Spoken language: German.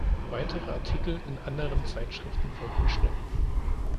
Weitere Artikel in anderen Zeitschriften folgten schnell.